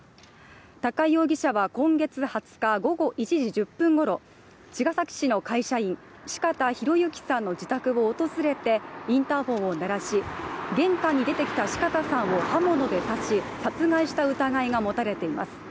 高井容疑者は、今月２０日午後１時１０分ごろ茅ヶ崎市の会社員、四方洋行さんの自宅を訪れてインターフォンを鳴らし玄関に出てきた四方さんを刃物で刺し、殺害した疑いが持たれています。